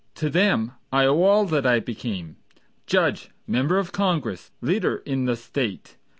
To them I owe all that I became, Judge, member of Congress, leader in the State.